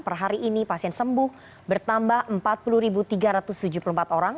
per hari ini pasien sembuh bertambah empat puluh tiga ratus tujuh puluh empat orang